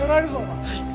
はい！